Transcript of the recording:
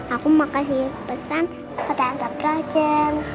aku mau kasih pesan ke tante frozen